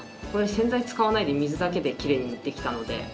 洗剤を使わないで水だけで奇麗にできたので。